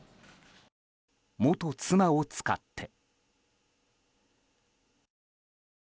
元妻を使って。